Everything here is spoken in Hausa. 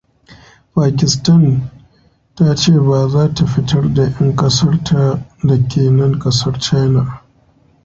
Pakistan tace baza ta fitar da yan kasar ta dake nan kasar China.